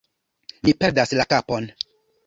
Mi perdas la kapon!